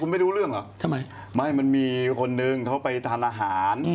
คุณไม่รู้เรื่องหรอถ้ามีมีคนนึงเขาไปทานอาหาร